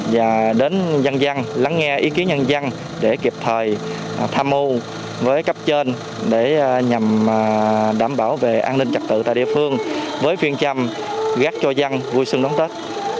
và đến dân dân lắng nghe ý kiến nhân dân để kịp thời tham mưu với cấp trên để nhằm đảm bảo về an ninh trật tự tại địa phương với phương châm gác cho dân vui xuân đón tết